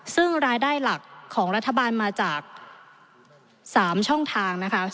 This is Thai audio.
ซึ่งรายได้หลักของรัฐบาลมาจาก๓ช่องทางนะคะ